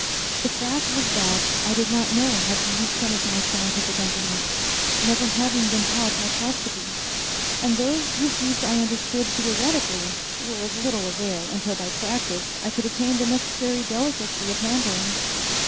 The fact was that I did not know how to use some of my scientific implements never having been taught microscopies and those whose use I understood theoretically were of little avail until by practice I could attain the necessary delicacy of handling.